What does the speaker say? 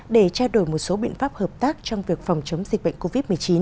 để trao đổi một số biện pháp hợp tác trong việc phòng chống dịch bệnh covid một mươi chín